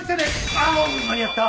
あっ間に合った。